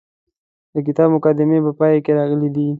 د کتاب د مقدمې په پای کې راغلي دي.